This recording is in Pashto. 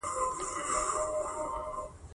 افضل التراجم بالغت العاجم